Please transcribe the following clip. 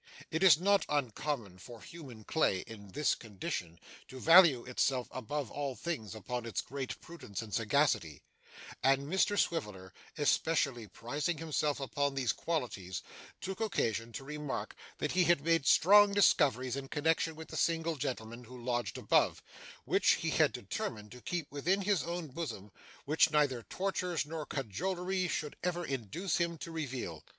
It is not uncommon for human clay in this condition to value itself above all things upon its great prudence and sagacity; and Mr Swiveller, especially prizing himself upon these qualities, took occasion to remark that he had made strange discoveries in connection with the single gentleman who lodged above, which he had determined to keep within his own bosom, and which neither tortures nor cajolery should ever induce him to reveal.